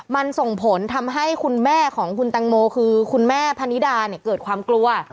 มันส่งผลทำให้คุณแม่ของคุณตังโมคือคุณแม่พนิดาเนี่ยเกิดความกลัว